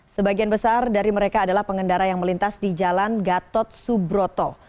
sebagian besar dari mereka adalah pengendara yang melintas di jalan gatot subroto